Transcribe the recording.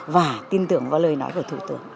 và tin tưởng vào lời nói của thủ tướng